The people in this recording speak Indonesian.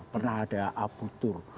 pernah ada aputure